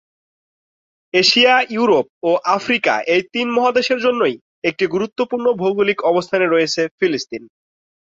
Asia, Europe ও Africa এই তিন মহাদেশের জন্যই একটি গুরুত্বপূর্ণ ভৌগোলিক অবস্থানে রয়েছে ফিলিস্তিন।